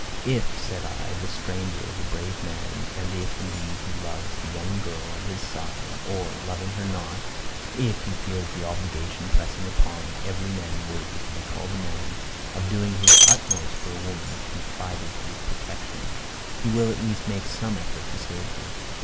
If, said I, the stranger is a brave man, and if, indeed, he loves the young girl at his side or, loving her not, if he feels the obligation pressing upon every man worthy to be called a man, of doing his utmost for a woman confided to his protection he will at least make some effort to save her.